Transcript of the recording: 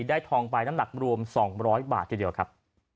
ได้ทองปลายน้ำหนักรวมสองร้อยบาททีเดียวครับ